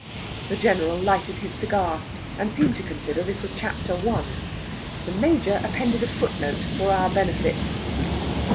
The General lighted his cigar, and seemed to consider this was chapter one. The Major appended a foot note, for our benefit.